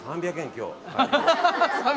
今日。